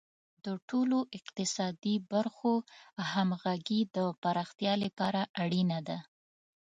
د ټولو اقتصادي برخو همغږي د پراختیا لپاره اړینه ده.